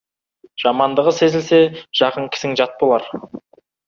Жамандығы сезілсе, жақын кісің жат болар.